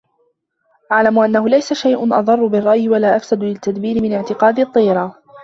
اعْلَمْ أَنَّهُ لَيْسَ شَيْءٌ أَضَرَّ بِالرَّأْيِ وَلَا أَفْسَدَ لِلتَّدْبِيرِ مِنْ اعْتِقَادِ الطِّيَرَةِ